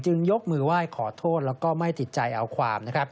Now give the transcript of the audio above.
ยกมือไหว้ขอโทษแล้วก็ไม่ติดใจเอาความ